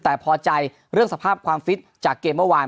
แต่พอใจเรื่องสภาพความฟิตจากเกมเมื่อวาน